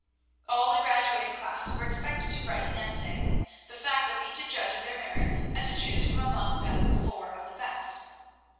All the graduating class were expected to write an essay, the Faculty to judge of their merits, and to choose from among them four of the best.